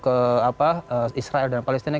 ke israel dan palestina